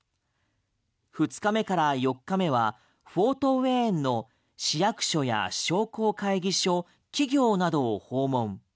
２日目から４日目はフォートウェーンの市役所や商工会議所、企業などを訪問。